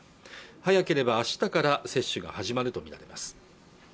早ければ明日から接種が始まると見られます